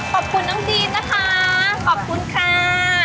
ขอบคุณน้องดีนนะคะขอบคุณค่ะ